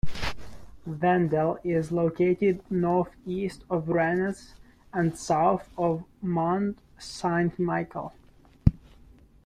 Vendel is located northeast of Rennes and south of Mont Saint-Michel.